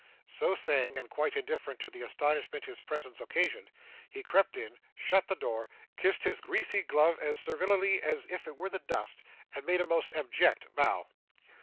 So saying, and quite indifferent to the astonishment his presence occasioned, he crept in, shut the door, kissed his greasy glove as servilely as if it were the dust, and made a most abject bow.